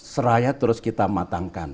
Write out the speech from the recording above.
seraya terus kita matangkan